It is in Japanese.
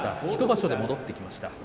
１場所で戻ってきました。